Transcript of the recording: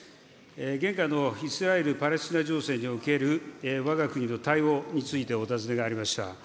現下のイスラエル・パレスチナ情勢におけるわが国の対応についてお尋ねがありました。